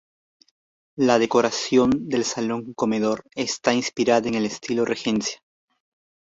La decoración del Salón Comedor está inspirada en el estilo Regencia.